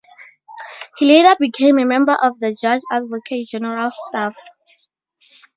He later became a member of the Judge Advocate General's staff.